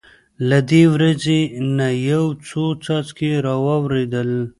له دې وریځې نه یو څو څاڅکي را وورېدل.